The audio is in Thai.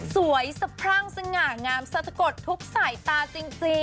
สวยสะพรั่งสง่าง่ำซะจะกดทุกสายตาจริง